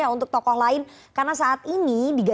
untuk tokoh lain